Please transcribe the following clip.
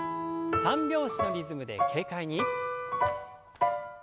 三拍子のリズムで軽快に。